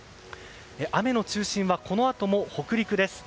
雨の中心はこのあとも北陸です。